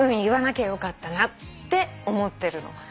言わなきゃよかったなって思ってるの。